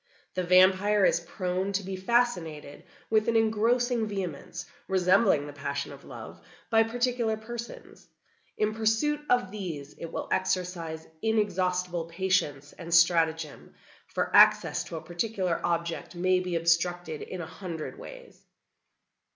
The vampire is prone to be fascinated with an engrossing vehemence, resembling the passion of love, by particular persons. In pursuit of these it will exercise inexhaustible patience and stratagem, for access to a particular object may be obstructed in a hundred ways.